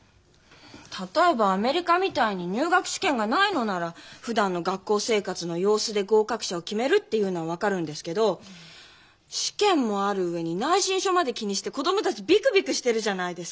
例えばアメリカみたいに入学試験がないのならふだんの学校生活の様子で合格者を決めるっていうのは分かるんですけど試験もある上に内申書まで気にして子供たちビクビクしてるじゃないですか。